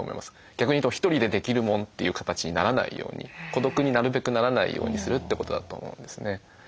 逆に言うと「１人でできるもん」という形にならないように孤独になるべくならないようにするってことだと思うんですね。